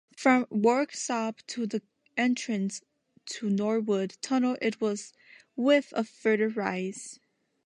From Worksop to the entrance to Norwood Tunnel it was with a further rise.